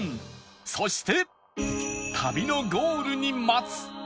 そして旅のゴールに待つ